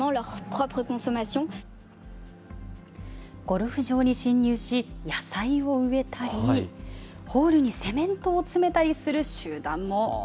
ゴルフ場に侵入し、野菜を植えたり、ホールにセメントを詰めたりする集団も。